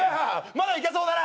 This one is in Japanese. まだいけそうだな。